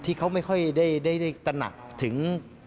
ที่เขาไม่ค่อยได้ตระหนักถึง